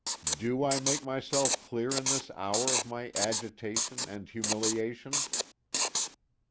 "Do I make myself clear in this the hour of my agitation and humiliation?"